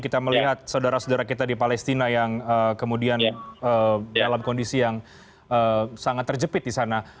kita melihat saudara saudara kita di palestina yang kemudian dalam kondisi yang sangat terjepit di sana